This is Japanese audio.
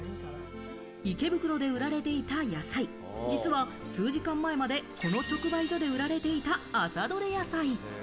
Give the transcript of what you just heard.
池袋で売られていた野菜、実は数時間前まで、この直売所で売られていた朝どれ野菜。